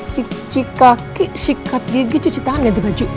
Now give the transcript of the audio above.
cuci kaki sikat gigi cuci tangan ganti baju